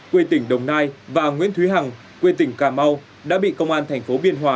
quê tỉnh đồng nai và nguyễn thúy hằng quê tỉnh cà mau đã bị công an thành phố biên hòa